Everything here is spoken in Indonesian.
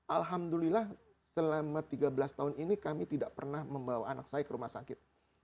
alhamdulillah selama tiga belas tahun ini kami tidak pernah membawa anak saya ke rumah sakit